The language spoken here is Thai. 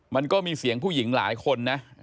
มันก็มีเสียงผู้หญิงหลายคนนะ